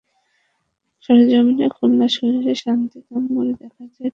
সরেজমিনে খুলনা শহরের শান্তিধাম মোড়ে দেখা যায়, টিসিবির ট্রাকের সামনে ক্রেতাদের ভালোই ভিড়।